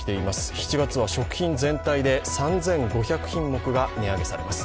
７月は食品全体で３５００品目が値上げされます。